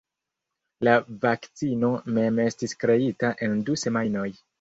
La vakcino mem estis kreita en du semajnoj.